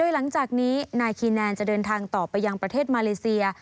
หลังจากนี้นายคีแนนจะเดินทางต่อไปยังประเทศมาเลเซีย